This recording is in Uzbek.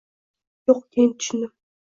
Yo‘q, keyin tushundim.